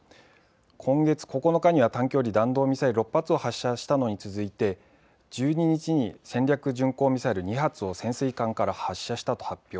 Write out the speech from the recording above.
今月９日には短距離弾道ミサイル６発を発射したのに続いて１２日に戦略巡航ミサイル２発を潜水艦から発射したと発表。